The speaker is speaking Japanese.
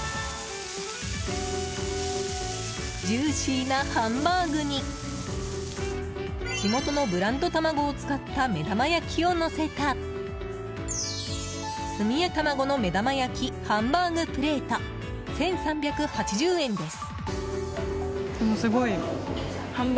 ジューシーなハンバーグに地元のブランド卵を使った目玉焼きをのせた角谷卵の目玉焼きハンバーグプレート１３８０円です。